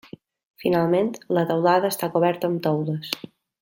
Finalment, la teulada està coberta amb teules.